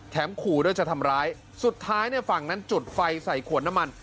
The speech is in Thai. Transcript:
ขู่ด้วยจะทำร้ายสุดท้ายเนี่ยฝั่งนั้นจุดไฟใส่ขวดน้ำมัน